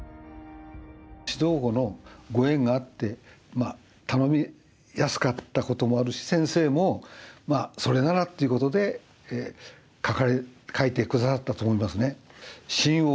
指導碁のご縁があって頼みやすかったこともあるし先生もそれならっていうことで書いて下さったと思いますね。